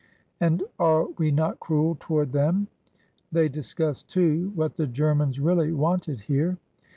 And are we not cruel toward them?" They discussed, too, what the Germans really wanted here.